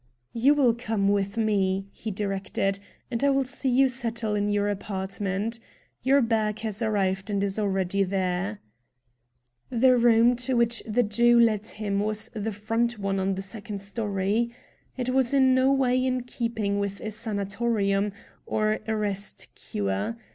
"You will come with me," he directed, "and I will see you settle in your apartment. Your bag has arrived and is already there." The room to which the Jew led him was the front one on the second story. It was in no way in keeping with a sanatorium, or a rest cure.